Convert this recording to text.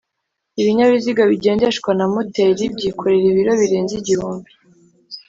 ibinyabiziga bigendeshwa na moteri byikorera ibiro birenze igihumbi